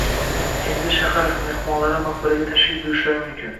Endi shahar mehmonlari maqbaraga tashrif buyurishlari mumkin.